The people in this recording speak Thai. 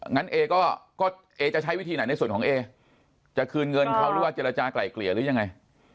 งั้นเอก็เอจะใช้วิธีไหนในส่วนของเอจะคืนเงินเขาหรือว่าเจรจากลายเกลี่ยหรือยังไง